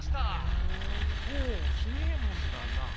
ほうすげえもんだなあ。